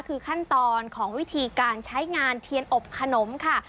คือขั้นตอนของวิธีการใช้งานเทียนอบขนมค่ะ